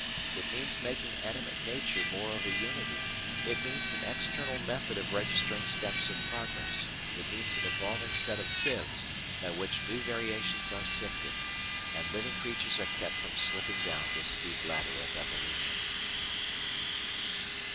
It means making Animate Nature more of a unity; it means an external method of registering steps of progress; it means an evolving set of sieves by which new variations are sifted, and living creatures are kept from slipping down the steep ladder of evolution.